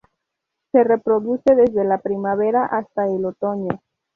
Se reproduce desde la primavera hasta el otoño.